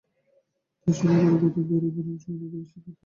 তাই সময় করে কোথাও বেড়িয়ে পড়ুন এবং সেখানেই ধীরস্থিরভাবে পরিকল্পনা করুন।